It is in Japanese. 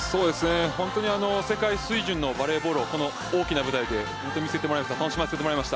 本当に世界選手のバレーボールをこの大きな舞台で見せてもらいました。